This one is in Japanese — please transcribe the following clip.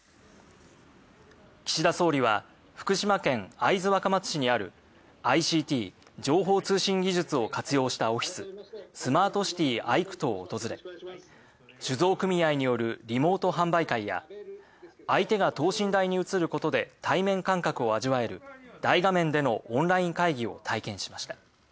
岸田総理は、福島県会津若松市にあるＩＣＴ＝情報通信技術を活用したオフィス「スマートシティＡｉＣＴ」を訪れ、酒造組合によるリモート販売会や相手が等身大に映ることで対面感覚を味わえる大画面でのオンライン会議を体験しました。